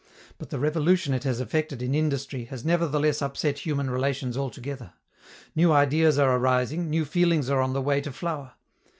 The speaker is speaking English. But the revolution it has effected in industry has nevertheless upset human relations altogether. New ideas are arising, new feelings are on the way to flower.